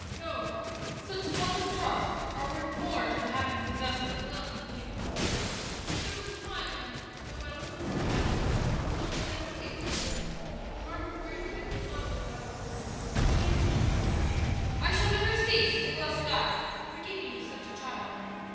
"No; such love and trust are worth more to the happy possessor than the wealth of the universe. But there was a time when, though my little girl had it, I was altogether ignorant of it, and marvelled greatly at her love for God's word and her joy and peace in believing. I shall never cease to bless God for giving me such a child."